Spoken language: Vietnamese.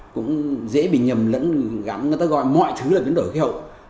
cũng dễ bị nhầm lẫn gắn người ta gọi mọi thứ là biến đổi khí hậu